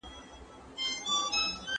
شاګرد باید له خپلواکۍ څخه سمه ګټه واخلي.